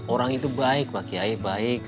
orang itu baik pak kiai baik